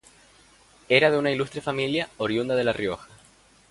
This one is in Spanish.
Era de una ilustre familia oriunda de la Rioja.